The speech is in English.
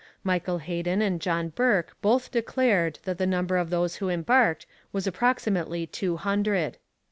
Michael Heden and John Bourke both declared that the number of those who embarked was approximately two hundred.